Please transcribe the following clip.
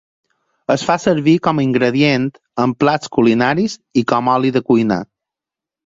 Es fa servir com ingredient en plats culinaris i com oli de cuinar.